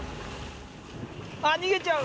あっ逃げちゃう。